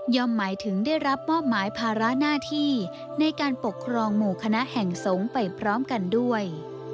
หมายถึงได้รับมอบหมายภาระหน้าที่ในการปกครองหมู่คณะแห่งสงฆ์ไปพร้อมกันด้วย